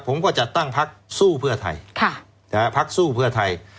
ผมก็จะตั้งพักสู้เพื่อไทยพักสู้เพื่อไทย